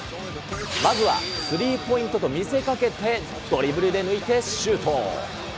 まずは、スリーポイントと見せかけて、ドリブルで抜いてシュート。